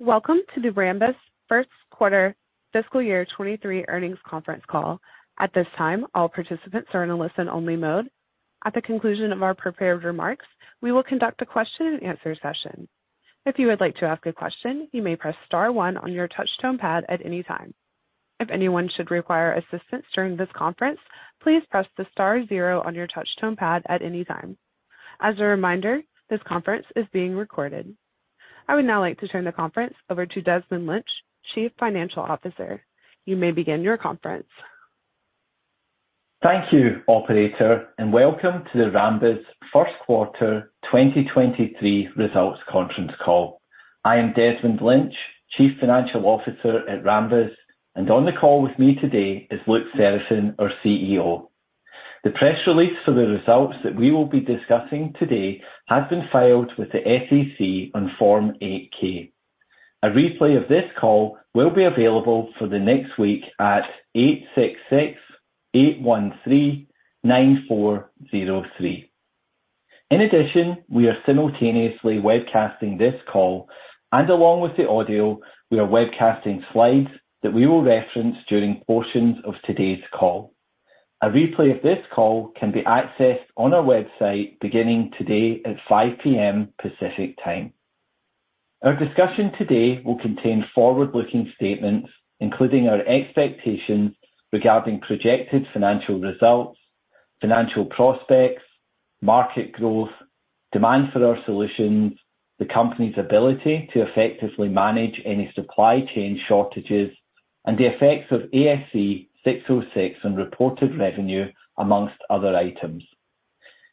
Welcome to the Rambus first quarter fiscal year 2023 earnings conference call. At this time, all participants are in a listen-only mode. At the conclusion of our prepared remarks, we will conduct a question and answer session. If you would like to ask a question, you may press star one on your touch tone pad at any time. If anyone should require assistance during this conference, please press the star zero on your touch tone pad at any time. As a reminder, this conference is being recorded. I would now like to turn the conference over to Desmond Lynch, Chief Financial Officer. You may begin your conference. Thank you, operator, welcome to the Rambus first quarter 2023 results conference call. I am Desmond Lynch, Chief Financial Officer at Rambus, and on the call with me today is Luc Seraphin, our CEO. The press release for the results that we will be discussing today has been filed with the SEC on Form 8-K. A replay of this call will be available for the next week at 866-813-9403. In addition, we are simultaneously webcasting this call, and along with the audio, we are webcasting slides that we will reference during portions of today's call. A replay of this call can be accessed on our website beginning today at 5:00 P.M. Pacific Time. Our discussion today will contain forward-looking statements, including our expectations regarding projected financial results, financial prospects, market growth, demand for our solutions, the company's ability to effectively manage any supply chain shortages, and the effects of ASC 606 on reported revenue, amongst other items.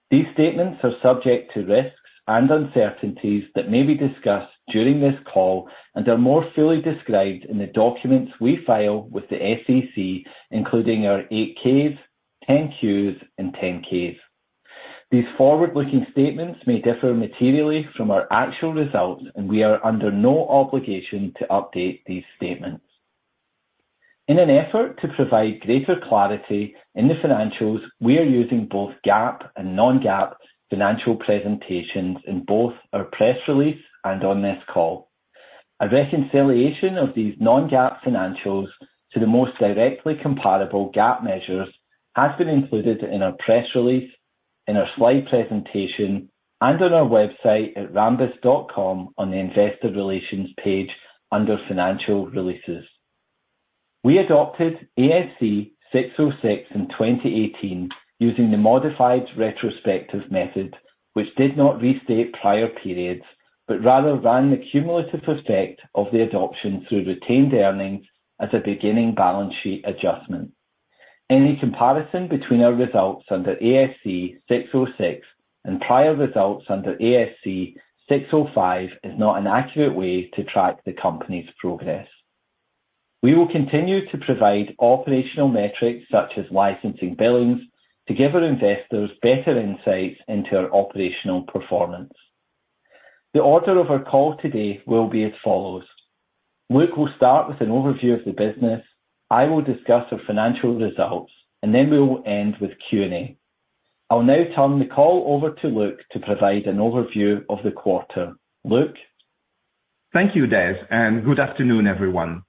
These statements are subject to risks and uncertainties that may be discussed during this call and are more fully described in the documents we file with the SEC, including our 8-Ks, 10-Qs, and 10-Ks. These forward-looking statements may differ materially from our actual results, and we are under no obligation to update these statements. In an effort to provide greater clarity in the financials, we are using both GAAP and non-GAAP financial presentations in both our press release and on this call. A reconciliation of these non-GAAP financials to the most directly comparable GAAP measures has been included in our press release, in our slide presentation, and on our website at rambus.com on the investor relations page under financial releases. We adopted ASC 606 in 2018 using the modified retrospective method, which did not restate prior periods, but rather ran the cumulative effect of the adoption through retained earnings as a beginning balance sheet adjustment. Any comparison between our results under ASC 606 and prior results under ASC 605 is not an accurate way to track the company's progress. We will continue to provide operational metrics such as licensing billings to give our investors better insights into our operational performance. The order of our call today will be as follows: Luc will start with an overview of the business, I will discuss our financial results, and then we will end with Q&A. I'll now turn the call over to Luc to provide an overview of the quarter. Luc? Thank you, Des. Good afternoon, everyone.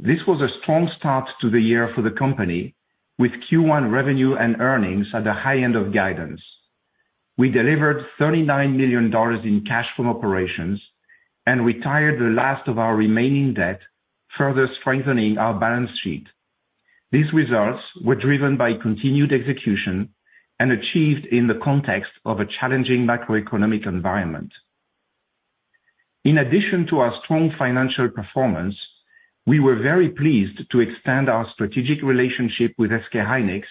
This was a strong start to the year for the company, with Q1 revenue and earnings at the high end of guidance. We delivered $39 million in cash from operations and retired the last of our remaining debt, further strengthening our balance sheet. These results were driven by continued execution and achieved in the context of a challenging macroeconomic environment. In addition to our strong financial performance, we were very pleased to extend our strategic relationship with SK hynix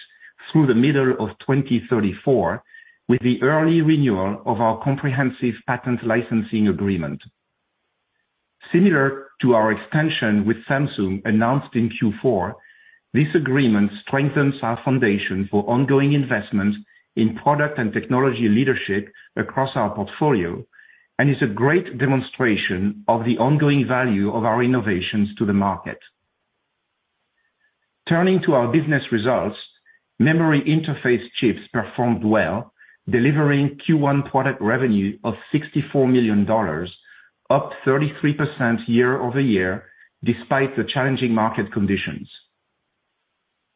through the middle of 2034 with the early renewal of our comprehensive patent licensing agreement. Similar to our extension with Samsung announced in Q4, this agreement strengthens our foundation for ongoing investment in product and technology leadership across our portfolio and is a great demonstration of the ongoing value of our innovations to the market. Turning to our business results, memory interface chips performed well, delivering Q1 product revenue of $64 million, up 33% year-over-year, despite the challenging market conditions.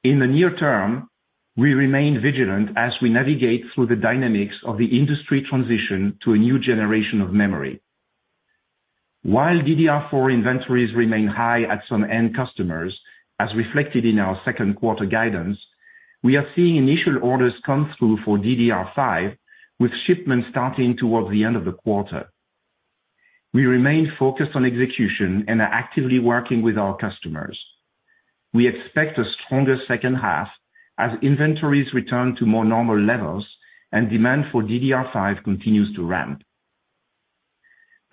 In the near term, we remain vigilant as we navigate through the dynamics of the industry transition to a new generation of memory. While DDR4 inventories remain high at some end customers, as reflected in our second quarter guidance, we are seeing initial orders come through for DDR5, with shipments starting towards the end of the quarter. We remain focused on execution and are actively working with our customers. We expect a stronger second half as inventories return to more normal levels and demand for DDR5 continues to ramp.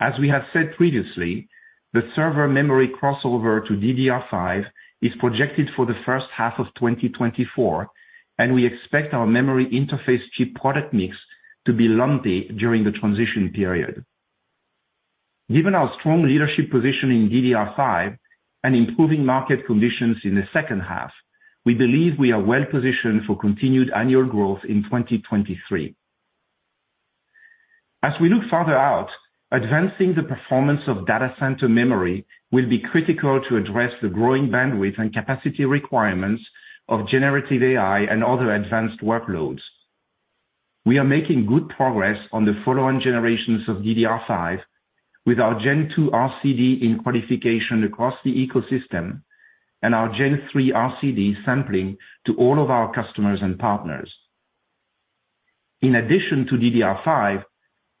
As we have said previously, the server memory crossover to DDR5 is projected for the first half of 2024. We expect our memory interface chip product mix to be lumpy during the transition period. Given our strong leadership position in DDR5 and improving market conditions in the second half, we believe we are well positioned for continued annual growth in 2023. As we look further out, advancing the performance of data center memory will be critical to address the growing bandwidth and capacity requirements of generative AI and other advanced workloads. We are making good progress on the following generations of DDR5 with our Gen 2 RCD in qualification across the ecosystem and our Gen 3 RCD sampling to all of our customers and partners. In addition to DDR5,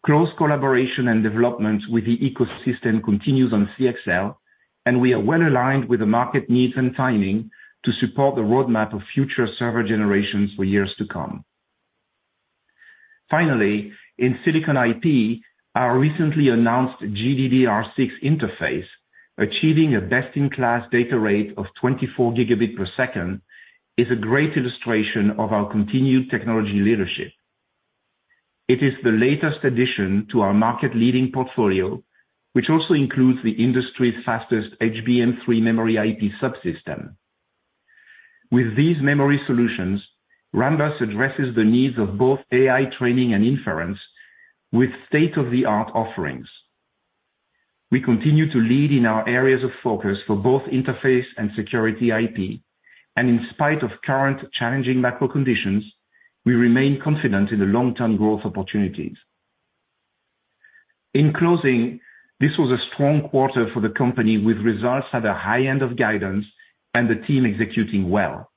close collaboration and development with the ecosystem continues on CXL, and we are well aligned with the market needs and timing to support the roadmap of future server generations for years to come. Finally, in Silicon IP, our recently announced GDDR6 interface, achieving a best-in-class data rate of 24 gigabit per second, is a great illustration of our continued technology leadership. It is the latest addition to our market-leading portfolio, which also includes the industry's fastest HBM3 memory IP subsystem. With these memory solutions, Rambus addresses the needs of both AI training and inference with state-of-the-art offerings. In spite of current challenging macro conditions, we remain confident in the long-term growth opportunities. In closing, this was a strong quarter for the company, with results at the high end of guidance and the team executing well.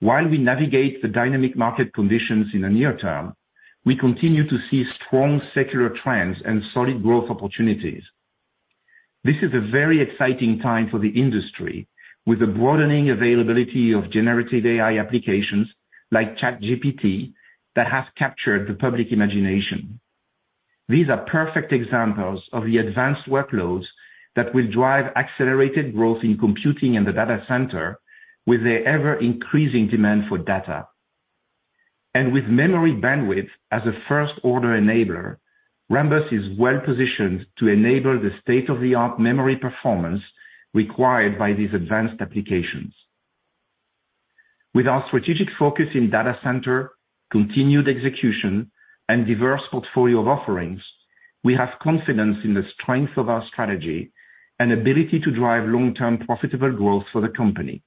While we navigate the dynamic market conditions in the near term, we continue to see strong secular trends and solid growth opportunities. This is a very exciting time for the industry, with the broadening availability of generative AI applications like ChatGPT that have captured the public imagination. These are perfect examples of the advanced workloads that will drive accelerated growth in computing in the data center with the ever-increasing demand for data. With memory bandwidth as a first-order enabler, Rambus is well positioned to enable the state-of-the-art memory performance required by these advanced applications. With our strategic focus in data center, continued execution, and diverse portfolio of offerings, we have confidence in the strength of our strategy and ability to drive long-term profitable growth for the company.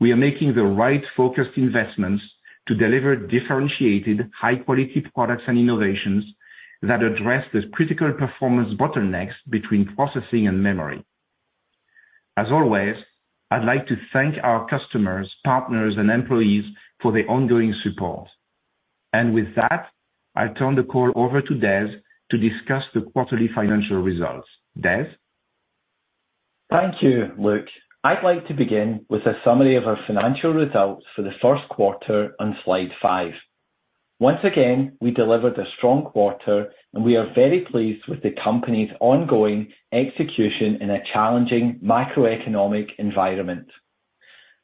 We are making the right focused investments to deliver differentiated high-quality products and innovations that address the critical performance bottlenecks between processing and memory. As always, I'd like to thank our customers, partners, and employees for their ongoing support. With that, I turn the call over to Des to discuss the quarterly financial results. Des? Thank you, Luc. I'd like to begin with a summary of our financial results for the first quarter on slide five. Once again, we delivered a strong quarter, and we are very pleased with the company's ongoing execution in a challenging macroeconomic environment.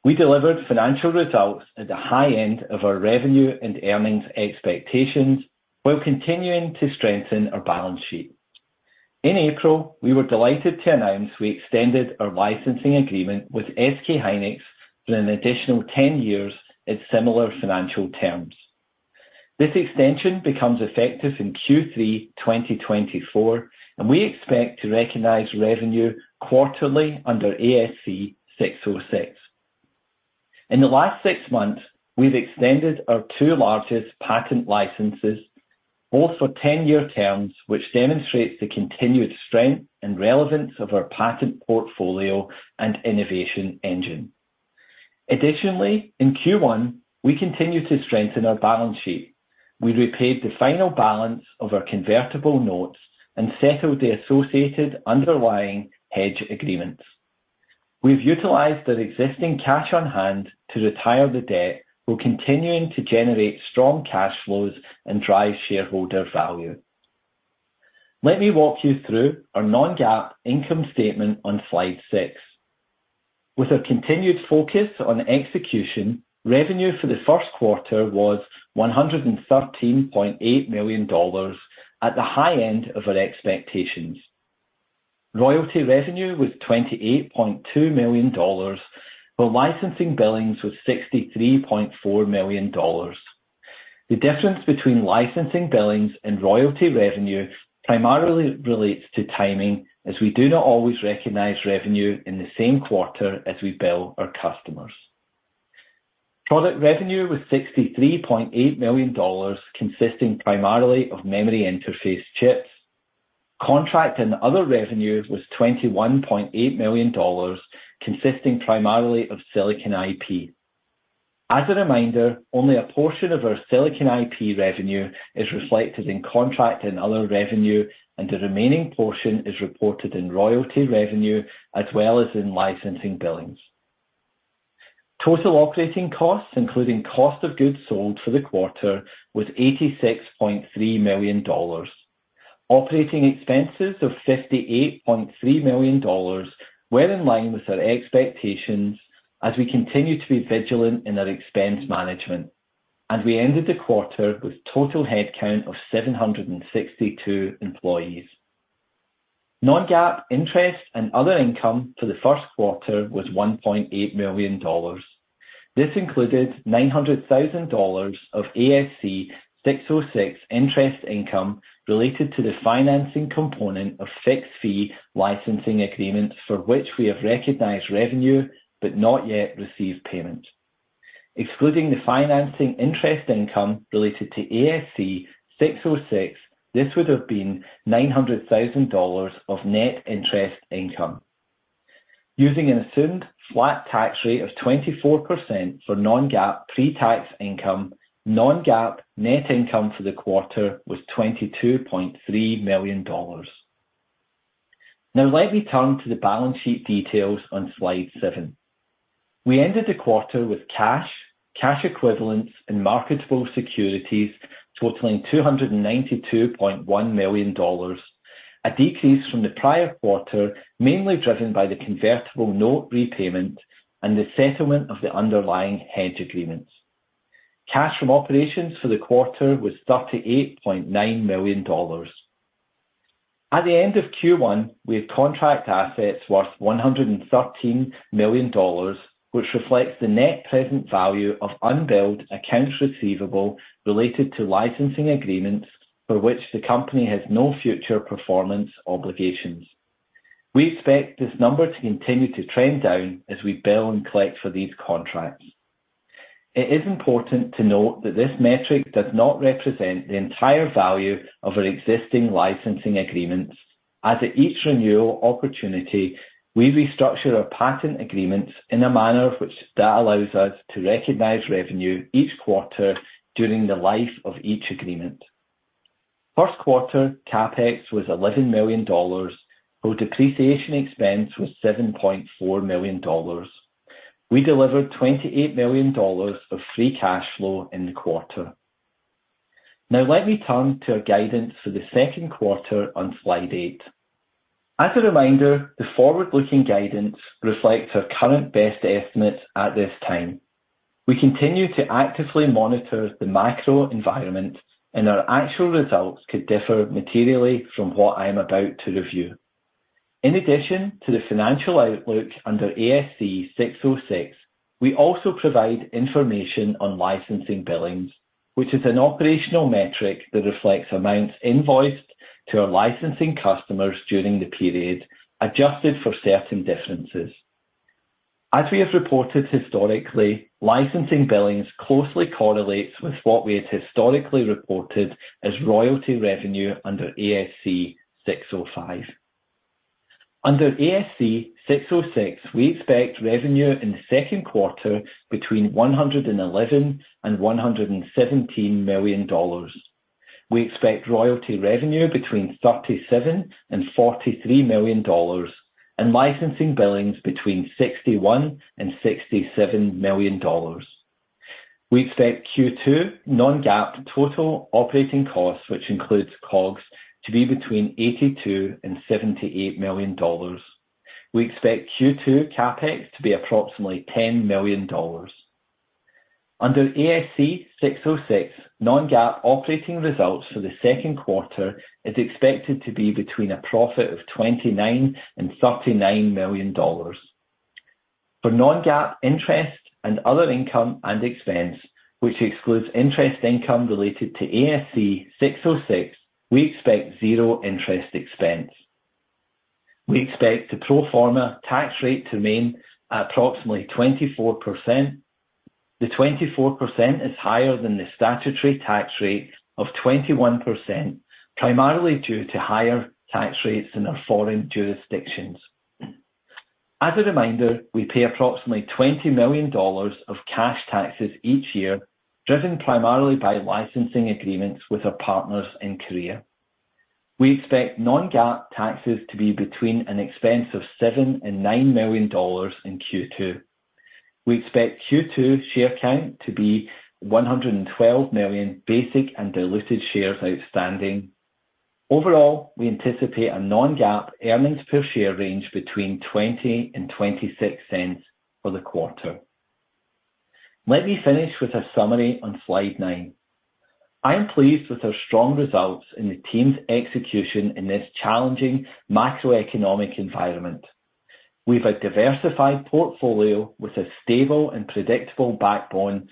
We delivered financial results at the high end of our revenue and earnings expectations while continuing to strengthen our balance sheet. In April, we were delighted to announce we extended our licensing agreement with SK Hynix for an additional 10 years at similar financial terms. This extension becomes effective in Q3 2024. We expect to recognize revenue quarterly under ASC 606. In the last six months, we've extended our two largest patent licenses, both for 10-year terms, which demonstrates the continued strength and relevance of our patent portfolio and innovation engine. In Q1, we continued to strengthen our balance sheet. We repaid the final balance of our convertible notes and settled the associated underlying hedge agreements. We've utilized our existing cash on hand to retire the debt, while continuing to generate strong cash flows and drive shareholder value. Let me walk you through our non-GAAP income statement on slide 6. With our continued focus on execution, revenue for the first quarter was $113.8 million, at the high end of our expectations. Royalty revenue was $28.2 million, while licensing billings was $63.4 million. The difference between licensing billings and royalty revenue primarily relates to timing, as we do not always recognize revenue in the same quarter as we bill our customers. Product revenue was $63.8 million, consisting primarily of memory interface chips. Contract and other revenue was $21.8 million, consisting primarily of Silicon IP. As a reminder, only a portion of our Silicon IP revenue is reflected in contract and other revenue, the remaining portion is reported in royalty revenue as well as in licensing billings. Total operating costs, including cost of goods sold for the quarter, was $86.3 million. Operating expenses of $58.3 million were in line with our expectations as we continue to be vigilant in our expense management. We ended the quarter with total headcount of 762 employees. non-GAAP interest and other income for the first quarter was $1.8 million. This included $900,000 of ASC 606 interest income related to the financing component of fixed fee licensing agreements for which we have recognized revenue but not yet received payment. Excluding the financing interest income related to ASC 606, this would have been $900 thousand of net interest income. Using an assumed flat tax rate of 24% for non-GAAP pre-tax income, non-GAAP net income for the quarter was $22.3 million. Let me turn to the balance sheet details on slide 7. We ended the quarter with cash equivalents, and marketable securities totaling $292.1 million, a decrease from the prior quarter, mainly driven by the convertible note repayment and the settlement of the underlying hedge agreements. Cash from operations for the quarter was $38.9 million. At the end of Q1, we have contract assets worth $113 million, which reflects the net present value of unbilled accounts receivable related to licensing agreements for which the company has no future performance obligations. We expect this number to continue to trend down as we bill and collect for these contracts. It is important to note that this metric does not represent the entire value of our existing licensing agreements as at each renewal opportunity, we restructure our patent agreements in a manner of which that allows us to recognize revenue each quarter during the life of each agreement. First quarter CapEx was $11 million. Our depreciation expense was $7.4 million. We delivered $28 million of free cash flow in the quarter. Let me turn to our guidance for the second quarter on Slide 8. As a reminder, the forward-looking guidance reflects our current best estimates at this time. We continue to actively monitor the macro environment, and our actual results could differ materially from what I'm about to review. In addition to the financial outlook under ASC 606, we also provide information on licensing billings, which is an operational metric that reflects amounts invoiced to our licensing customers during the period, adjusted for certain differences. As we have reported historically, licensing billings closely correlates with what we had historically reported as royalty revenue under ASC 605. Under ASC 606, we expect revenue in the second quarter between $111 million and $117 million. We expect royalty revenue between $37 million and $43 million and licensing billings between $61 million and $67 million. We expect Q2 non-GAAP total operating costs, which includes COGS, to be between $82 million and $78 million. We expect Q2 CapEx to be approximately $10 million. Under ASC 606, non-GAAP operating results for the second quarter is expected to be between a profit of $29 million and $39 million. For non-GAAP interest and other income and expense, which excludes interest income related to ASC 606, we expect 0 interest expense. We expect the pro forma tax rate to remain at approximately 24%. The 24% is higher than the statutory tax rate of 21%, primarily due to higher tax rates in our foreign jurisdictions. As a reminder, we pay approximately $20 million of cash taxes each year, driven primarily by licensing agreements with our partners in Korea. We expect non-GAAP taxes to be between an expense of $7 million and $9 million in Q2. We expect Q2 share count to be 112 million basic and diluted shares outstanding. Overall, we anticipate a non-GAAP earnings per share range between $0.20 and $0.26 for the quarter. Let me finish with a summary on slide 9. I'm pleased with our strong results and the team's execution in this challenging macroeconomic environment. We have a diversified portfolio with a stable and predictable backbone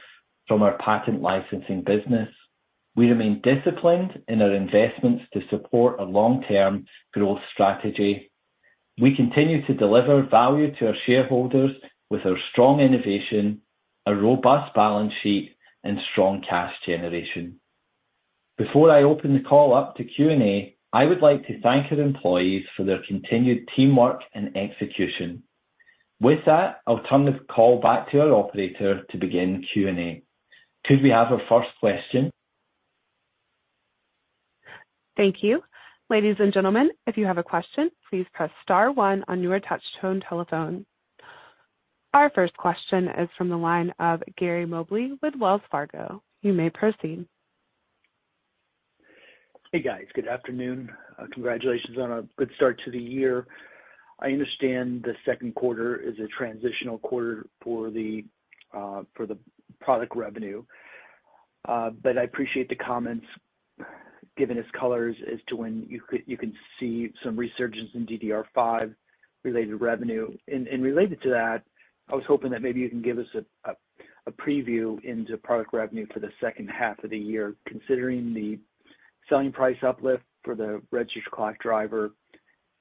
from our patent licensing business. We remain disciplined in our investments to support a long-term growth strategy. We continue to deliver value to our shareholders with our strong innovation, a robust balance sheet, and strong cash generation. Before I open the call up to Q&A, I would like to thank our employees for their continued teamwork and execution. With that, I'll turn the call back to our operator to begin Q&A. Could we have our first question? Thank you. Ladies and gentlemen, if you have a question, please press star one on your touch tone telephone. Our first question is from the line of Gary Mobley with Wells Fargo. You may proceed. Hey, guys. Good afternoon. Congratulations on a good start to the year. I understand the second quarter is a transitional quarter for the for the product revenue. I appreciate the comments giving us colors as to when you can see some resurgence in DDR5 related revenue. Related to that, I was hoping that maybe you can give us a preview into product revenue for the second half of the year, considering the selling price uplift for the registered clock driver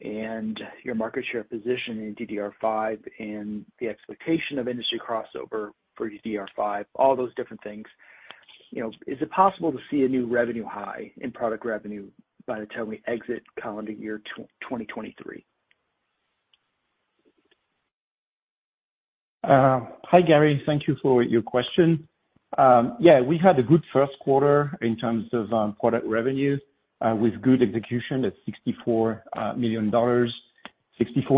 and your market share position in DDR5 and the expectation of industry crossover for DDR5, all those different things. You know, is it possible to see a new revenue high in product revenue by the time we exit calendar year 2023? Hi, Gary. Thank you for your question. Yeah, we had a good first quarter in terms of product revenue with good execution at $64 million. $64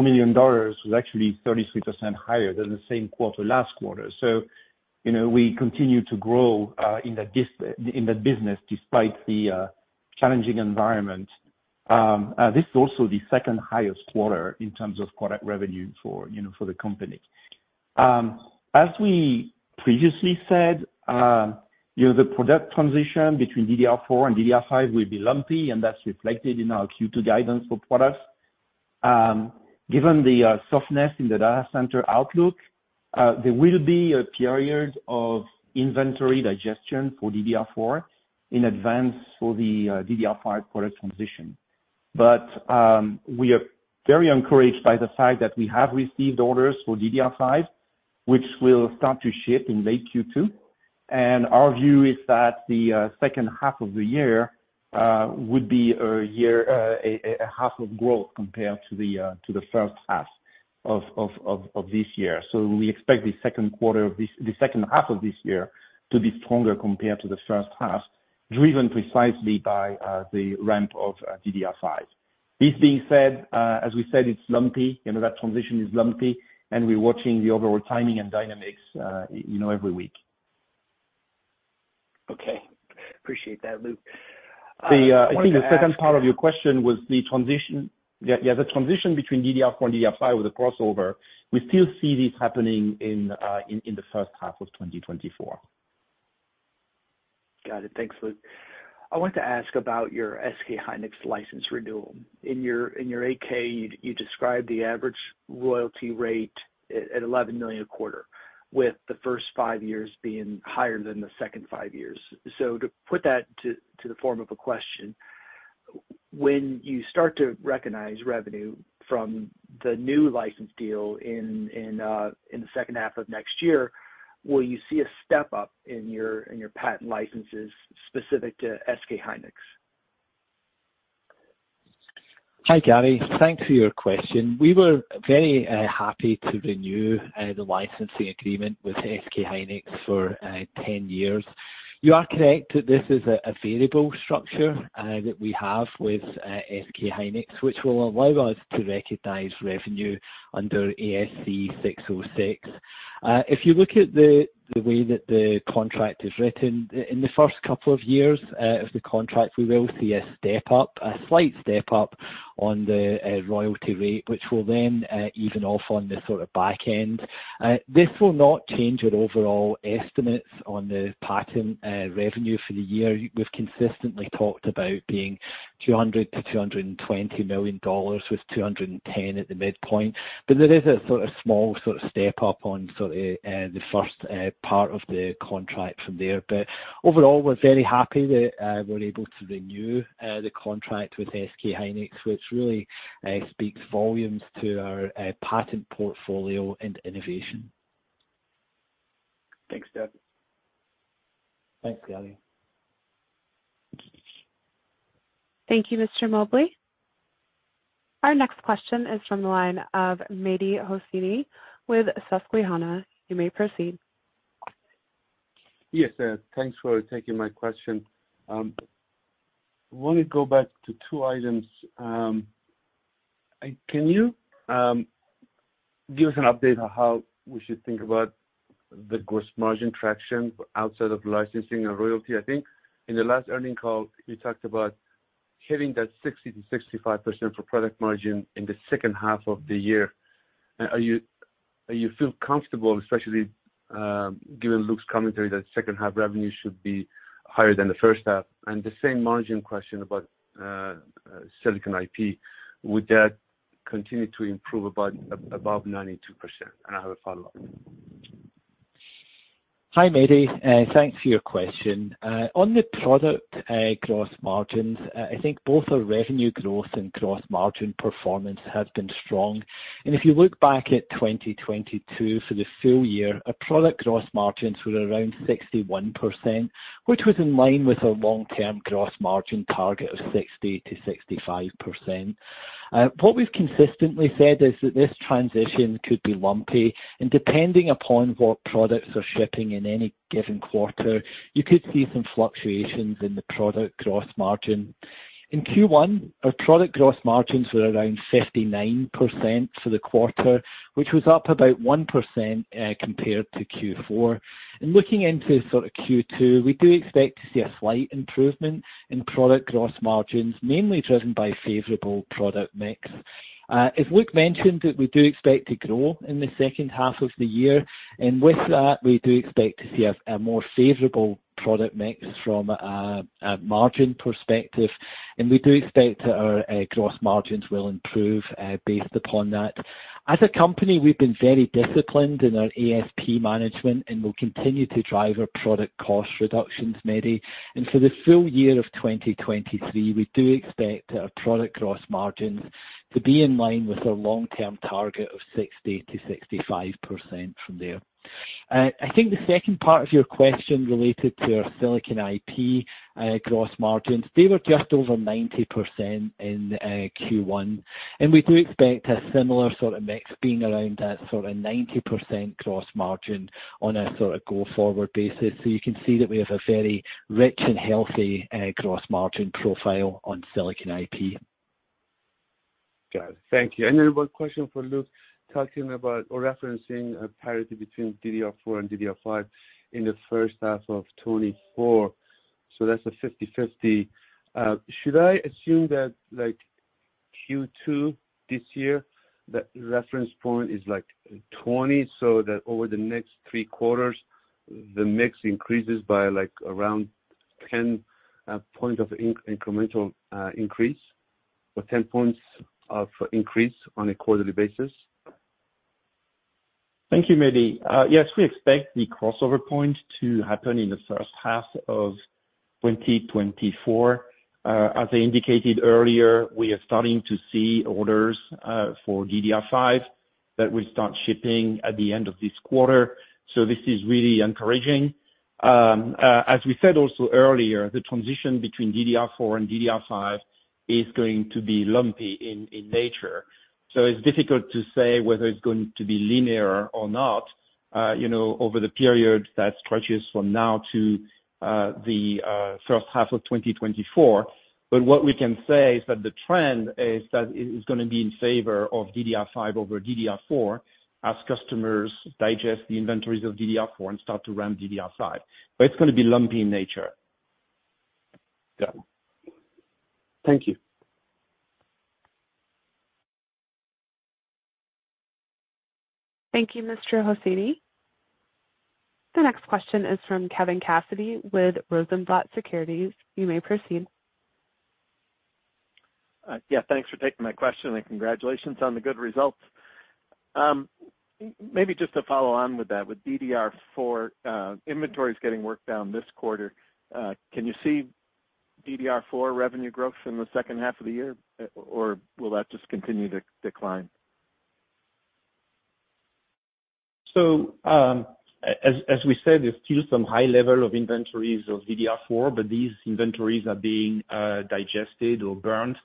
million was actually 33% higher than the same quarter last quarter. You know, we continue to grow in the business despite the challenging environment. This is also the second highest quarter in terms of product revenue for, you know, for the company. As we previously said, you know, the product transition between DDR4 and DDR5 will be lumpy, and that's reflected in our Q2 guidance for products. Given the softness in the data center outlook, there will be a period of inventory digestion for DDR4 in advance for the DDR5 product transition. We are very encouraged by the fact that we have received orders for DDR5, which will start to ship in late Q2. Our view is that the second half of the year would be a half of growth compared to the first half of this year. We expect the second half of this year to be stronger compared to the first half, driven precisely by the ramp of DDR5. This being said, as we said, it's lumpy. You know, that transition is lumpy, and we're watching the overall timing and dynamics, you know, every week. Okay. Appreciate that, Luc. The I think the second part of your question was the transition. Yeah, the transition between DDR4 and DDR5 with the crossover, we still see this happening in the first half of 2024. Got it. Thanks, Luc. I wanted to ask about your SK Hynix license renewal. In your 8-K, you described the average royalty rate at $11 million a quarter, with the first five years being higher than the second five years. To put that to the form of a question, when you start to recognize revenue from the new license deal in the second half of next year, will you see a step up in your patent licenses specific to SK Hynix? Hi, Gary. Thanks for your question. We were very happy to renew the licensing agreement with SK Hynix for 10 years. You are correct that this is a variable structure that we have with SK Hynix, which will allow us to recognize revenue under ASC 606. If you look at the way that the contract is written, in the first couple of years of the contract, we will see a step up, a slight step up on the royalty rate, which will then even off on the sort of back end. This will not change our overall estimates on the patent revenue for the year. We've consistently talked about being $200 million-$220 million, with $210 at the midpoint. There is a sort of small sort of step up on sort of, the first, part of the contract from there. Overall, we're very happy that, we're able to renew, the contract with SK Hynix, which really, speaks volumes to our, patent portfolio and innovation. Thanks, Des. Thanks, Gary. Thank you, Mr. Mobley. Our next question is from the line of Mehdi Hosseini with Susquehanna. You may proceed. Yes. Thanks for taking my question. I wanna go back to 2 items. Can you give us an update on how we should think about the gross margin traction outside of licensing and royalty? I think in the last earning call, you talked about hitting that 60%-65% for product margin in the second half of the year. Are you feel comfortable, especially, given Luc's commentary, that second half revenue should be higher than the first half? The same margin question about Silicon IP, would that continue to improve above 92%? I have a follow-up. Hi, Mehdi, thanks for your question. On the product, gross margins, I think both our revenue growth and gross margin performance have been strong. If you look back at 2022 for the full year, our product gross margins were around 61%, which was in line with our long-term gross margin target of 60%-65%. What we've consistently said is that this transition could be lumpy, and depending upon what products are shipping in any given quarter, you could see some fluctuations in the product gross margin. In Q1, our product gross margins were around 59% for the quarter, which was up about 1% compared to Q4. Looking into sort of Q2, we do expect to see a slight improvement in product gross margins, mainly driven by favorable product mix. As Luc mentioned, that we do expect to grow in the second half of the year. With that, we do expect to see a more favorable product mix from a margin perspective. We do expect that our gross margins will improve based upon that. As a company, we've been very disciplined in our ASP management, and we'll continue to drive our product cost reductions, Mehdi. For the full year of 2023, we do expect our product gross margins to be in line with our long-term target of 60%-65% from there. I think the second part of your question related to our Silicon IP gross margins. They were just over 90% in Q1. We do expect a similar sort of mix being around that sort of 90% gross margin on a sort of go-forward basis. You can see that we have a very rich and healthy gross margin profile on Silicon IP. Got it. Thank you. Then one question for Luc, talking about or referencing a parity between DDR4 and DDR5 in the first half of 2024, so that's a 50/50. Should I assume that, like, Q2 this year, that reference point is, like, 20, so that over the next three quarters, the mix increases by, like, around 10, point of incremental increase or 10 points of increase on a quarterly basis? Thank you, Mehdi. Yes, we expect the crossover point to happen in the first half of 2024. As I indicated earlier, we are starting to see orders for DDR5 that will start shipping at the end of this quarter, so this is really encouraging. As we said also earlier, the transition between DDR4 and DDR5 is going to be lumpy in nature. It's difficult to say whether it's going to be linear or not, you know, over the period that stretches from now to the first half of 2024. What we can say is that the trend is that it is gonna be in favor of DDR5 over DDR4 as customers digest the inventories of DDR4 and start to ramp DDR5. It's gonna be lumpy in nature. Got it. Thank you. Thank you, Mr. Hosseini. The next question is from Kevin Cassidy with Rosenblatt Securities. You may proceed. Yeah, thanks for taking my question, and congratulations on the good results. Maybe just to follow on with that, with DDR4 inventories getting worked down this quarter, can you see DDR4 revenue growth in the second half of the year, or will that just continue to decline? As we said, there's still some high level of inventories of DDR4, but these inventories are being digested or burned.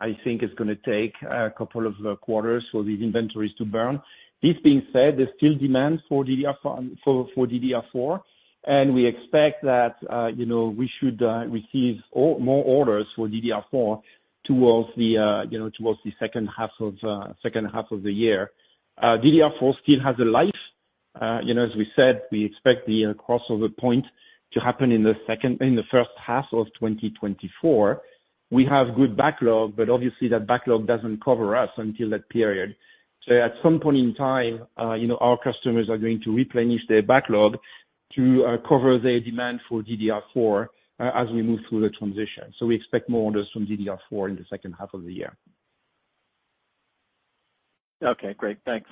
I think it's gonna take a couple of quarters for these inventories to burn. This being said, there's still demand for DDR4, for DDR4, and we expect that, you know, we should receive more orders for DDR4 towards the, you know, towards the second half of the year. DDR4 still has a life. You know, as we said, we expect the crossover point to happen in the first half of 2024. We have good backlog, but obviously, that backlog doesn't cover us until that period. At some point in time, you know, our customers are going to replenish their backlog to cover their demand for DDR4 as we move through the transition. We expect more orders from DDR4 in the second half of the year. Okay, great. Thanks.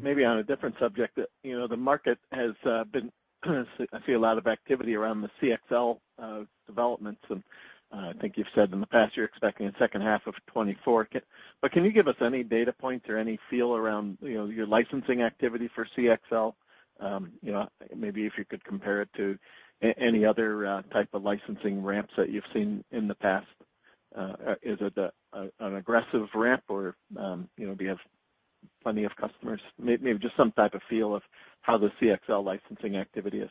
Maybe on a different subject, you know, the market has been, I see a lot of activity around the CXL developments. I think you've said in the past you're expecting in second half of 2024. But can you give us any data points or any feel around, you know, your licensing activity for CXL? You know, maybe if you could compare it to any other type of licensing ramps that you've seen in the past. Is it an aggressive ramp or, you know, do you have plenty of customers? Maybe just some type of feel of how the CXL licensing activity is.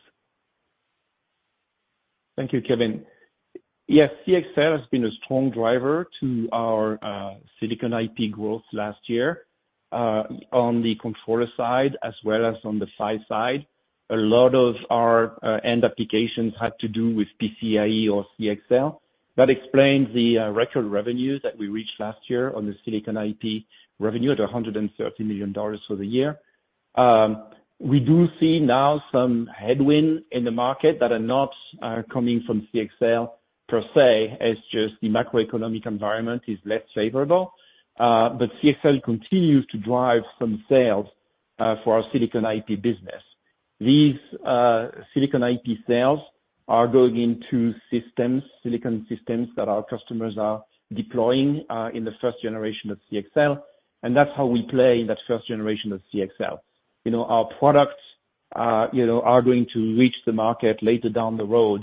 Thank you, Kevin. Yes, CXL has been a strong driver to our Silicon IP growth last year on the controller side as well as on the PHYs side. A lot of our end applications had to do with PCIe or CXL. That explains the record revenues that we reached last year on the Silicon IP revenue at $130 million for the year. We do see now some headwind in the market that are not coming from CXL per se, it's just the macroeconomic environment is less favorable. CXL continues to drive some sales for our Silicon IP business. These Silicon IP sales are going into systems, silicon systems that our customers are deploying in the first generation of CXL, and that's how we play in that first generation of CXL. You know, our products, you know, are going to reach the market later down the road,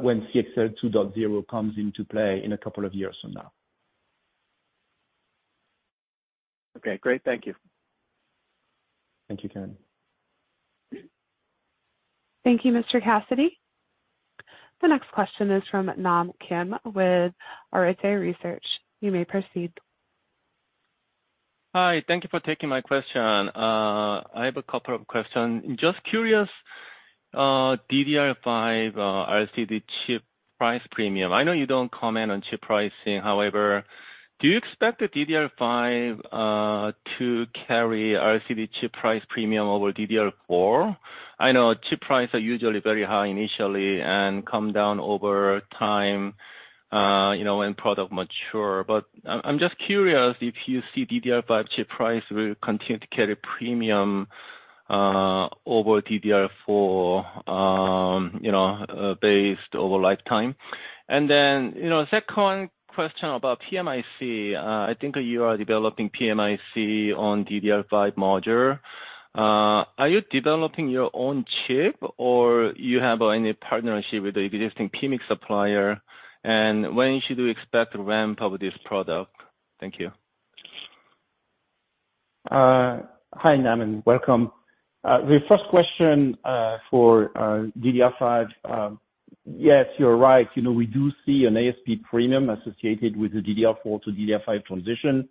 when CXL 2.0 comes into play in 2 years from now. Okay, great. Thank you. Thank you, Kevin. Thank you, Mr. Cassidy. The next question is from Nam Kim with Arete Research. You may proceed. Hi, thank you for taking my question. I have a couple of questions. Just curious, DDR5 RCD chip price premium. I know you don't comment on chip pricing, however, do you expect the DDR5 to carry RCD chip price premium over DDR4? I know chip prices are usually very high initially and come down over time, you know, when product mature. I'm just curious if you see DDR5 chip price will continue to carry premium over DDR4, you know, based over lifetime. You know, second question about PMIC. I think you are developing PMIC on DDR5 module. Are you developing your own chip or you have any partnership with the existing PMIC supplier, and when should we expect ramp of this product? Thank you. Hi, Nam, and welcome. The first question for DDR5. Yes, you're right. You know, we do see an ASP premium associated with the DDR4 to DDR5 transition.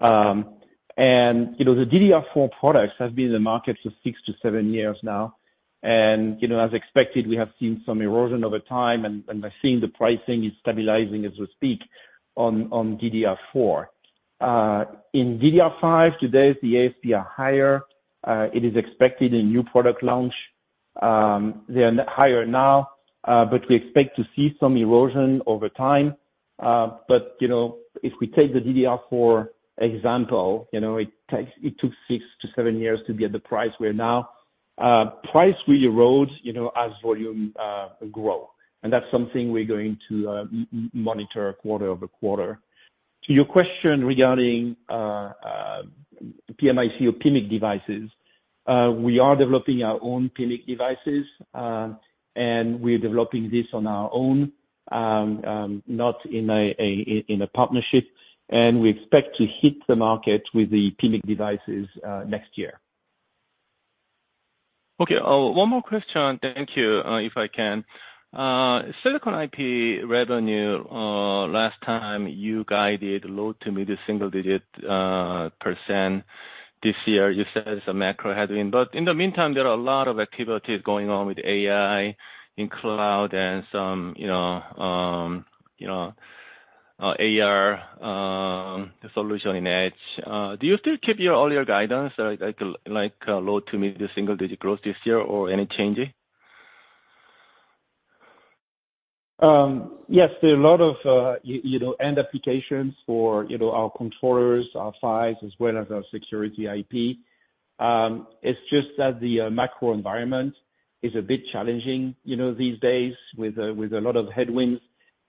You know, the DDR4 products have been in the market for six to seven years now. And, you know, as expected, we have seen some erosion over time and we're seeing the pricing is stabilizing as we speak on DDR4. In DDR5, today's ASP are higher. It is expected a new product launch. They are higher now, but we expect to see some erosion over time. You know, if we take the DDR4 example, you know, it took six to seven years to get the price where now. Price will erode, you know, as volume grow. That's something we're going to monitor quarter-over-quarter. To your question regarding PMIC or PMIC devices, we are developing our own PMIC devices, and we're developing this on our own, not in a partnership, and we expect to hit the market with the PMIC devices next year. Okay. One more question. Thank you, if I can. Silicon IP revenue, last time you guided low to mid-single-digit %. This year you said it's a macro headwind. In the meantime, there are a lot of activities going on with AI in cloud and some, you know, you know, AR solution in edge. Do you still keep your earlier guidance, like low to mid-single-digit growth this year or any changes? Yes, there are a lot of, you know, end applications for, you know, our controllers, our PHYs, as well as our security IP. It's just that the macro environment is a bit challenging, you know, these days with a lot of headwinds.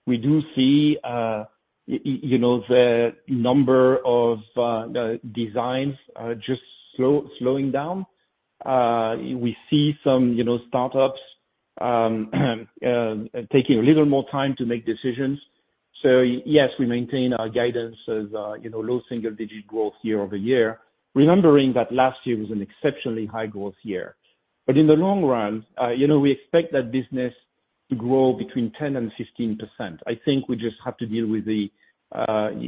We do see, you know, the number of designs just slowing down. We see some, you know, startups taking a little more time to make decisions. Yes, we maintain our guidance as, you know, low single-digit growth year-over-year, remembering that last year was an exceptionally high growth year. In the long run, you know, we expect that business to grow between 10% and 15%. I think we just have to deal with the,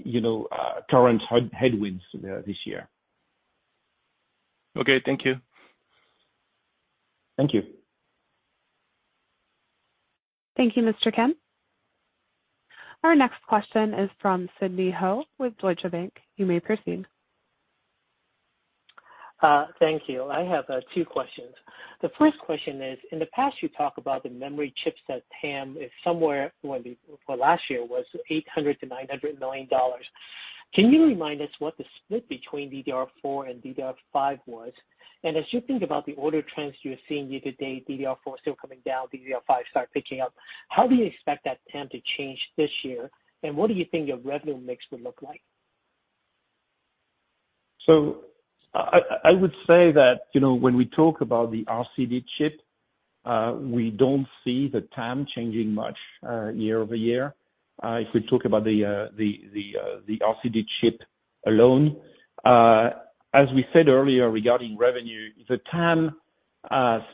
you know, current headwinds this year. Okay, thank you. Thank you. Thank you, Mr. Kim. Our next question is from Sidney Ho with Deutsche Bank. You may proceed. Thank you. I have two questions. The first question is, in the past, you talk about the memory chips that TAM is somewhere, for last year was $800 million-$900 million. Can you remind us what the split between DDR4 and DDR5 was? As you think about the order trends you're seeing year to date, DDR4 still coming down, DDR5 start picking up, how do you expect that TAM to change this year, and what do you think your revenue mix would look like? I would say that, you know, when we talk about the RCD chip, we don't see the TAM changing much year-over-year. If we talk about the RCD chip alone. As we said earlier regarding revenue, the TAM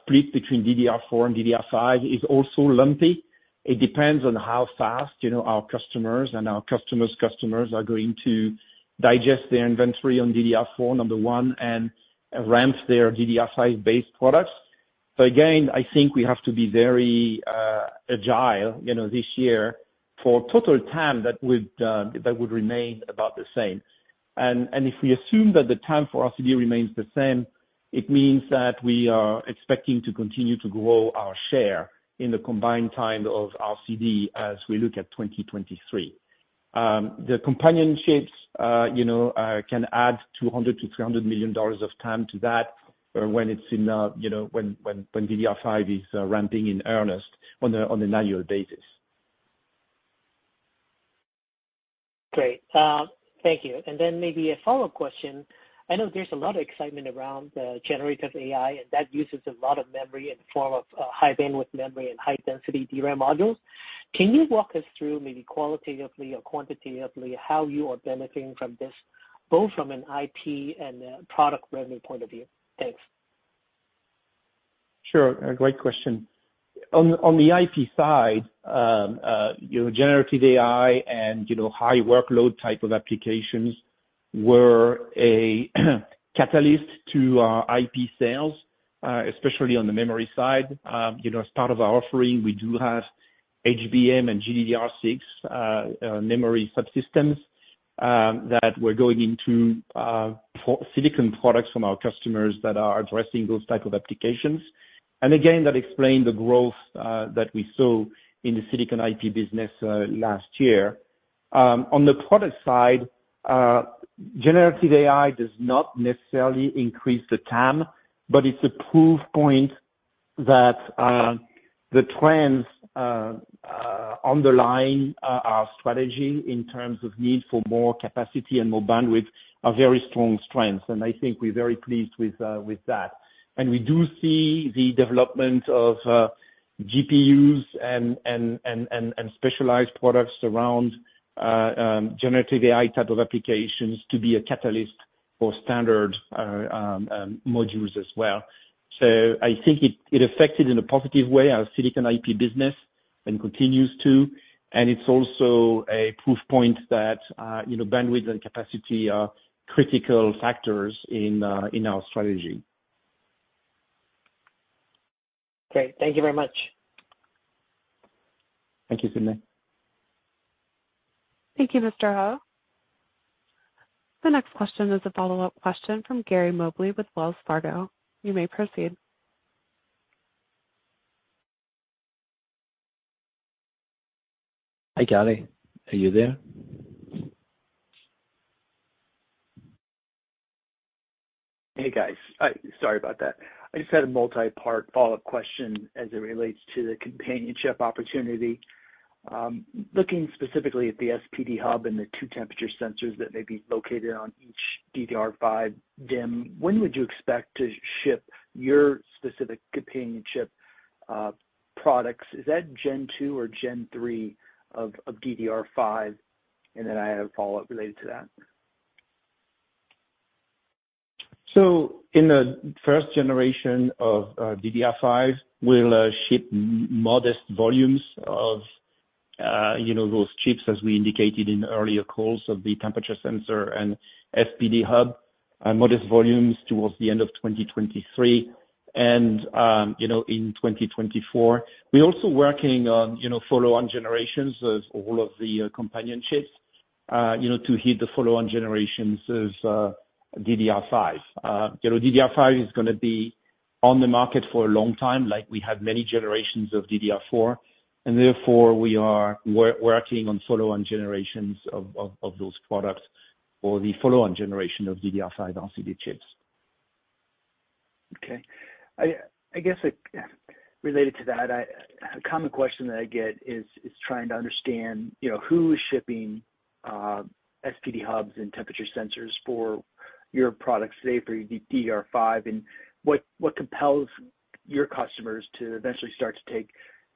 split between DDR4 and DDR5 is also lumpy. It depends on how fast, you know, our customers and our customers' customers are going to digest their inventory on DDR4, number one, and ramp their DDR5-based products. Again, I think we have to be very agile, you know, this year for total TAM that would remain about the same. If we assume that the TAM for RCD remains the same, it means that we are expecting to continue to grow our share in the combined time of RCD as we look at 2023. The companion chips, you know, can add $200 million-$300 million of TAM to that, when it's in, you know, when DDR5 is ramping in earnest on an annual basis. Great. Thank you. Then maybe a follow-up question. I know there's a lot of excitement around generative AI, and that uses a lot of memory in the form of high bandwidth memory and high density DRAM modules. Can you walk us through maybe qualitatively or quantitatively how you are benefiting from this, both from an IP and a product revenue point of view? Thanks. Sure. A great question. On the IP side, you know, generative AI and, you know, high workload type of applications were a catalyst to our IP sales, especially on the memory side. You know, as part of our offering, we do have HBM and GDDR6 memory subsystems that we're going into for silicon products from our customers that are addressing those type of applications. Again, that explained the growth that we saw in the Silicon IP business last year. On the product side, generative AI does not necessarily increase the TAM, but it's a proof point that the trends underlying our strategy in terms of need for more capacity and more bandwidth are very strong strengths. I think we're very pleased with that. We do see the development of GPUs and specialized products around generative AI type of applications to be a catalyst for standard modules as well. I think it affected in a positive way our Silicon IP business and continues to, and it's also a proof point that, you know, bandwidth and capacity are critical factors in our strategy. Great. Thank you very much. Thank you, Sidney. Thank you, Mr. Ho. The next question is a follow-up question from Gary Mobley with Wells Fargo. You may proceed. Hi, Gary. Are you there? Hey, guys. Sorry about that. I just had a multi-part follow-up question as it relates to the companionship opportunity. Looking specifically at the SPD Hub and the two temperature sensors that may be located on each DDR5 DIMM, when would you expect to ship your specific companionship products? Is that Gen 2 or Gen 3 of DDR5? Then I have a follow-up related to that. In the first generation of DDR5, we'll ship modest volumes of, you know, those chips as we indicated in earlier calls of the temperature sensor and SPD Hub. Modest volumes towards the end of 2023 and, you know, in 2024. We're also working on, you know, follow-on generations of all of the companion chips, you know, to hit the follow-on generations of DDR5. DDR5 is gonna be on the market for a long time, like we had many generations of DDR4, and therefore we are working on follow-on generations of those products for the follow-on generation of DDR5 RCD chips. I guess, related to that, A common question that I get is trying to understand, you know, who is shipping SPD Hubs and temperature sensors for your product, say for your DDR5, and what compels your customers to eventually start to take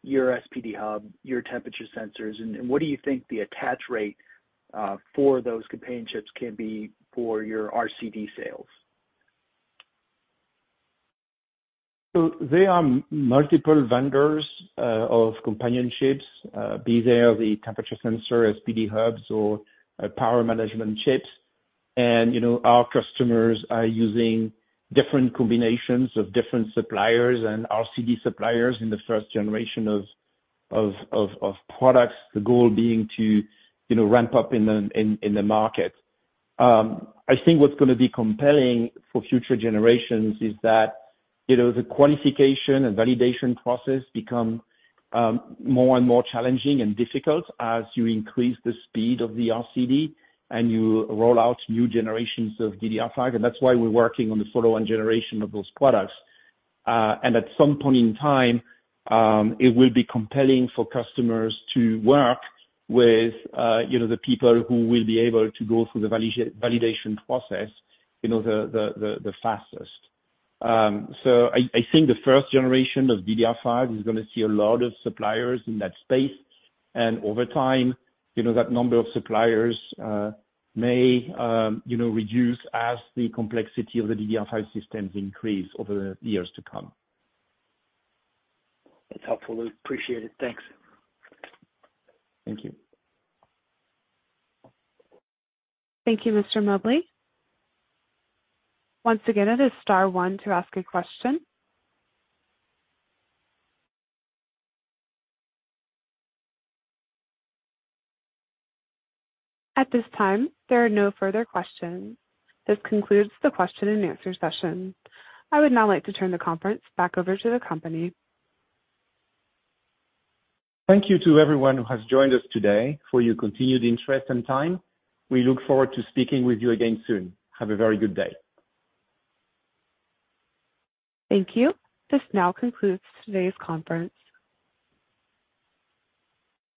your SPD Hub, your temperature sensors, and what do you think the attach rate for those companion chips can be for your RCD sales? There are multiple vendors of companion chips, be they the temperature sensor, SPD Hubs, or power management chips. You know, our customers are using different combinations of different suppliers and RCD suppliers in the first generation of products, the goal being to, you know, ramp up in the market. I think what's gonna be compelling for future generations is that, you know, the qualification and validation process become more and more challenging and difficult as you increase the speed of the RCD and you roll out new generations of DDR5, that's why we're working on the follow-on generation of those products. At some point in time, it will be compelling for customers to work with, you know, the people who will be able to go through the validation process, you know, the fastest. I think the first generation of DDR5 is gonna see a lot of suppliers in that space. Over time, you know, that number of suppliers may, you know, reduce as the complexity of the DDR5 systems increase over the years to come. That's helpful. Appreciate it. Thanks. Thank you. Thank you, Mr. Mobley. Once again, it is star one to ask a question. At this time, there are no further questions. This concludes the question and answer session. I would now like to turn the conference back over to the company. Thank you to everyone who has joined us today for your continued interest and time. We look forward to speaking with you again soon. Have a very good day. Thank you. This now concludes today's conference.